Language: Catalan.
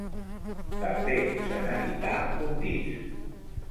També se n'edità un disc.